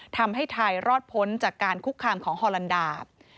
ทำให้ไทยรอดพ้นจากการคุกคามของฮอลันดา